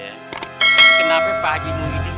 kenapa pak haji muhyiddin gak ngomong langsung aja ke saya